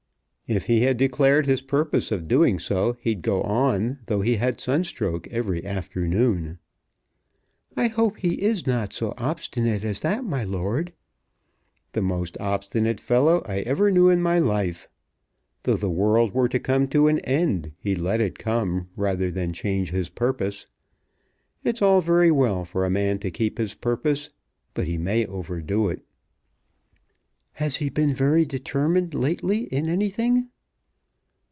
"If he had declared his purpose of doing so, he'd go on though he had sunstroke every afternoon." "I hope he is not so obstinate as that, my lord." "The most obstinate fellow I ever knew in my life! Though the world were to come to an end, he'd let it come rather than change his purpose. It's all very well for a man to keep his purpose, but he may overdo it." "Has he been very determined lately in anything?"